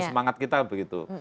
semangat kita begitu